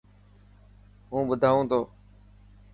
هون ٻڌائون تو.